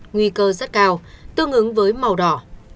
nguy cơ rất cao tương ứng với màu đỏ